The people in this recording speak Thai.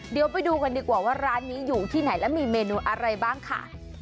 เดี๋ยวไปดูกันดีกว่าว่าร้านนี้อยู่ที่ไหนและมีเมนูอะไรบ้างค่ะ